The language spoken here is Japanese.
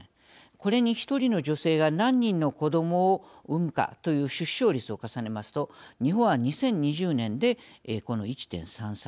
これに１人の女性が何人の子どもを産むかという出生率を重ねますと日本は２０２０年でこの１．３３。